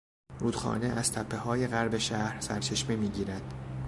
رودخانه از تپههای غرب شهر سرچشمه میگیرد.